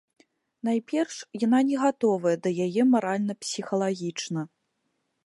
Найперш, яна не гатовая да яе маральна-псіхалагічна.